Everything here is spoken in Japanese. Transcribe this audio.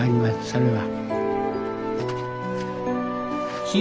それは。